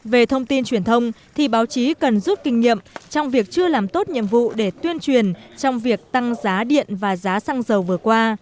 về thông tin truyền thông thì báo chí cần rút kinh nghiệm trong việc chưa làm tốt nhiệm vụ để tuyên truyền trong việc tăng giá điện và giá xăng dầu vừa qua